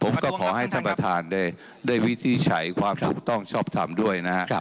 ผมก็ขอให้ท่านประธานได้ได้วิธีใช้ความถูกต้องชอบทำด้วยนะฮะ